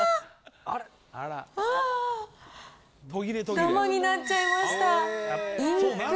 だまになっちゃいました。